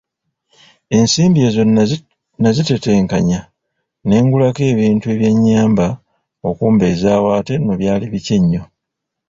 Ensimbi ezo nnazitetenkanya ne ngulako ebintu ebyannyamba okumbezaawo ate nno byali biki ennyo!